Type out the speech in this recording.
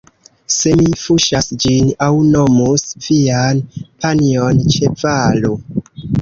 Se mi fuŝas ĝin aŭ nomus vian panjon ĉevalo